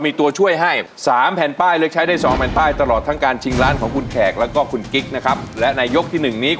ไม่ใช้ไม่ใช้ไม่ใช้ไม่ใช้ไม่ใช้ไม่ใช้